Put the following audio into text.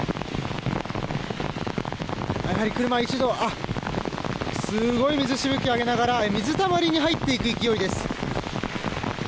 車がすごい水しぶきを上げながら水たまりに入っていく勢いです。